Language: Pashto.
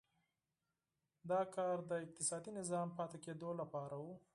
دا کار د اقتصادي نظام پاتې کېدو لپاره و.